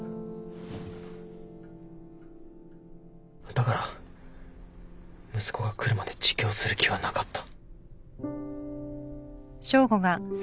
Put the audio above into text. だから息子が来るまで自供する気はなかった。